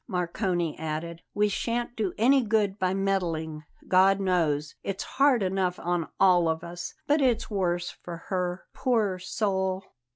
Marcone added. "We shan't do any good by meddling. God knows, it's hard enough on all of us; but it's worse for her, poor soul!"